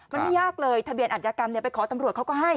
มันไม่ยากเลยทะเบียนอัธยากรรมไปขอตำรวจเขาก็ให้